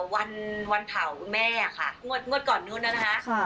วันเผาคุณแม่ค่ะงวดก่อนนู้นนะคะ